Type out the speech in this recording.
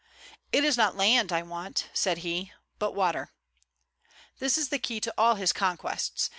"It is not land I want," said he, "but water." This is the key to all his conquests.